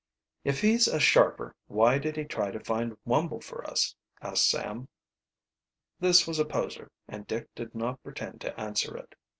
"If he's a sharper why did he try to find Wumble for us?" asked Sam. This was a poser and Dick did not pretend to answer it.